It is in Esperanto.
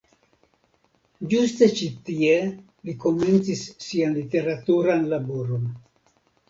Ĝuste ĉi tie li komencis sian literaturan laboron.